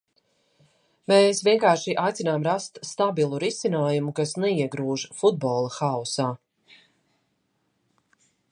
Mēs vienkārši aicinām rast stabilu risinājumu, kas neiegrūž futbolu haosā.